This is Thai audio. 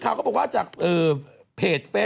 จากธนาคารกรุงเทพฯ